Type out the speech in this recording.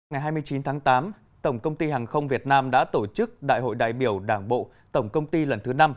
ngày hai mươi chín tháng tám tổng công ty hàng không việt nam đã tổ chức đại hội đại biểu đảng bộ tổng công ty lần thứ năm